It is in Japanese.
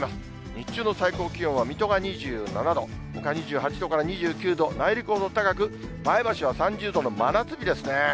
日中の最高気温は水戸が２７度、ほか２８度から２９度、内陸ほど高く、前橋は３０度の真夏日ですね。